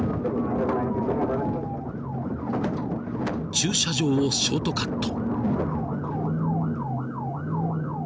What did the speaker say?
［駐車場をショートカット］